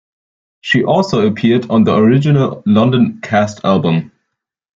She also appeared on the Original London Cast album.